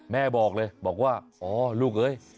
แม่บอกเลยบอกว่าอ๋อลูกเอ้ย